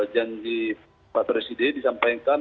janji pak presiden disampaikan